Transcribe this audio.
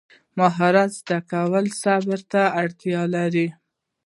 مهارت زده کول صبر ته اړتیا لري.